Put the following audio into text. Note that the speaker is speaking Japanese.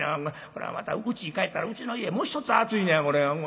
これまたうちに帰ったらうちの家もう一つ暑いねやこれ。